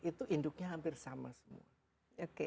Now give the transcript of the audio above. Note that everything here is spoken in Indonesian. itu induknya hampir sama semua